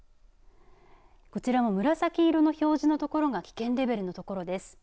こちらの紫色の表示のところが危険レベルのところです。